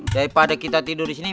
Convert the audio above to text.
daripada kita tidur disini